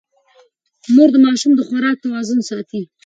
مور د ماشوم د خوراک توازن ساتي.